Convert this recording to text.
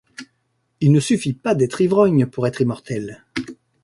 Il ne suffit pas d’être ivrogne pour être immortel